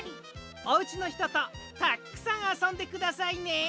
おうちのひととたっくさんあそんでくださいね！